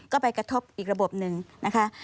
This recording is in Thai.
ก็ไปกระทบอีกระบบหนึ่งนะคะ